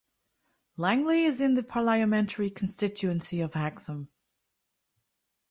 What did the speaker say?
Langley is in the parliamentary constituency of Hexham.